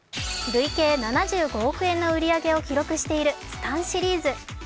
累計７５億円の売り上げを記録しているＳＴＡＮ．シリーズ。